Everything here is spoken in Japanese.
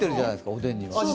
おでんには。